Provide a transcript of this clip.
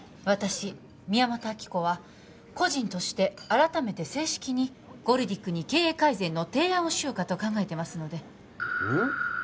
私宮本亜希子は個人として改めて正式にゴルディックに経営改善の提案をしようかと考えてますのでうん？